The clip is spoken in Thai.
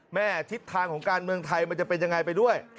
ทิศทางของการเมืองไทยมันจะเป็นยังไงไปด้วย